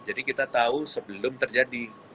jadi kita tahu sebelum terjadi